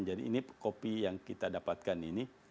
jadi ini kopi yang kita dapatkan ini